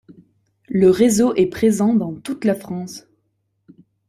Le Réseau est présent dans toute la France.